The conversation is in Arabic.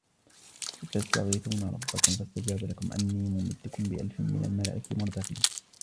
إذ تستغيثون ربكم فاستجاب لكم أني ممدكم بألف من الملائكة مردفين